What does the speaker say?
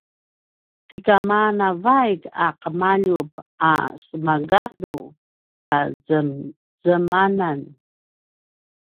ti kama navaik a ’emaljup a semagadu ka zemzemanan